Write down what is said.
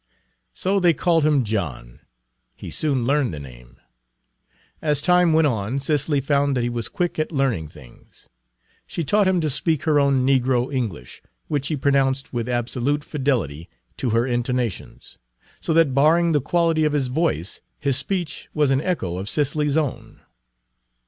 So they called him John. He soon learned the name. As time went on Cicely found that he was quick at learning things. She taught him to speak her own negro English, which he pronounced with absolute fidelity to her intonations; so that barring the quality of his voice, his speech was an echo of Cicely's own.